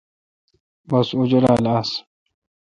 بس اوں جولال آس